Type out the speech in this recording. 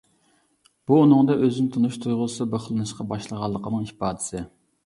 بۇ ئۇنىڭدا ئۆزىنى تونۇش تۇيغۇسى بىخلىنىشقا باشلىغانلىقنىڭ ئىپادىسى.